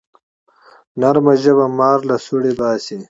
نرمه ژبه مار له سوړي باسي